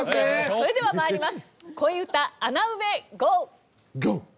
それでは参ります。